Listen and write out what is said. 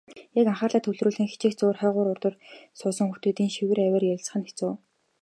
Яг анхаарлаа төвлөрүүлэн хичээх зуур хойгуур урдуур суусан хүүхдийн шивэр авир ярилцах нь хэцүү.